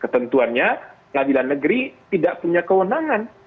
ketentuannya pengadilan negeri tidak punya kewenangan